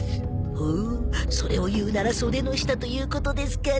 ほうそれを言うなら袖の下ということですかな？